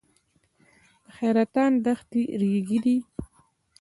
د حیرتان دښتې ریګي دي